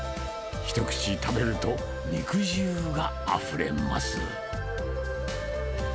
一口食べると肉汁があふれます。